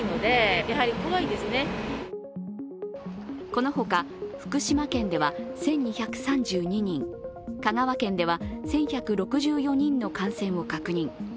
このほか、福島県では１２３２人、香川県では１１６４人の感染を確認。